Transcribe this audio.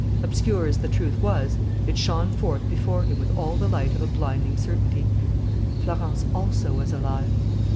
Obscure as the truth was, it shone forth before him with all the light of a blinding certainty: Florence also was alive!